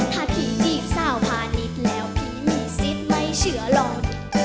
ถ้าผีจีบสาวพาณิชย์แล้วพี่มีสิทธิ์ไม่เชื่อหรอก